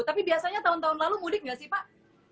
tapi biasanya tahun tahun lalu mudik nggak sih pak